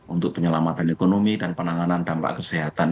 untuk penyelamatan ekonomi dan penanganan dampak kesehatan